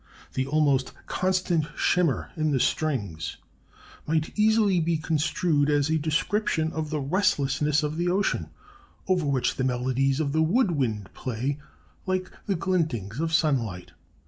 The almost constant shimmer in the strings might easily be construed as a description of the restlessness of the ocean, over which the melodies of the wood wind play like the glintings of sunlight."